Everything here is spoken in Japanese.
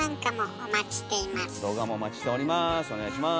お願いします。